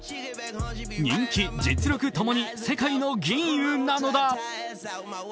人気、実力ともに世界の吟雲なのだ。